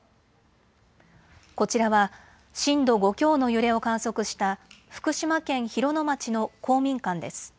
こちらは震度５強の揺れを観測した福島県広野町の公民館です。